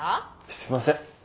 すいません